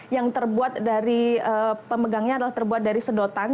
yang terbuat dari pemegangnya adalah terbuat dari sedotan